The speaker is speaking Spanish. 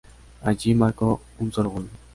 Allí marcó un solo gol.